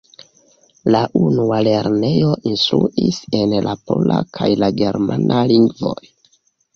La unua lernejo instruis en la pola kaj la germana lingvoj.